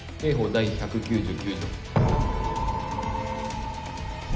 第１９９条。